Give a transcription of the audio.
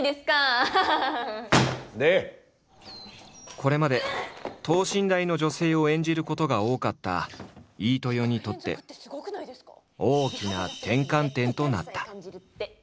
これまで等身大の女性を演じることが多かった飯豊にとって大きな転換点となった。